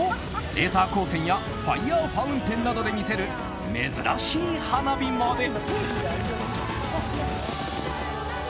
レーザー光線やファイアーファウンテンなどで見せる珍しい花火まで。